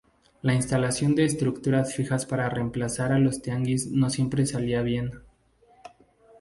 La instalación de estructuras fijas para reemplazar a los tianguis no siempre salía bien.